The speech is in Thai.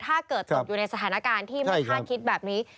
ถ้าเกิดตกอยู่ในสถานการณ์ที่ไม่คาดคิดแบบนี้